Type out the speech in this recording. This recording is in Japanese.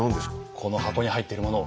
この箱に入っているものを。